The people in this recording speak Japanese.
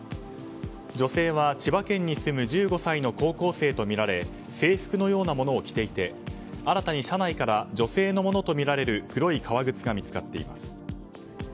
女性は、千葉県に住む１５歳の高校生とみられ制服のようなものを着ていて新たに車内から女性のものとみられる黒い革靴が見つかっています。